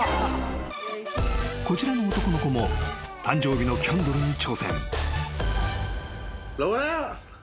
［こちらの男の子も誕生日のキャンドルに挑戦］